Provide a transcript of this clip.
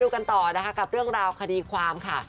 กันต่อนะคะกับเรื่องราวคดีความค่ะ